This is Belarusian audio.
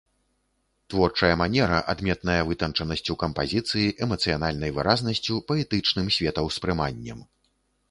Творчая манера адметная вытанчанасцю кампазіцыі, эмацыянальнай выразнасцю, паэтычным светаўспрыманнем.